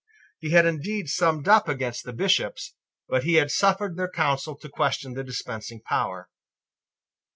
He had indeed summed up against the Bishops: but he had suffered their counsel to question the dispensing power.